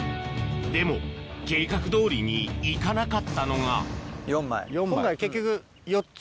でも計画どおりにいかなかったのが今回結局４つ？